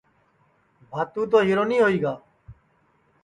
روتیا تو ہیرونی ہوئی گا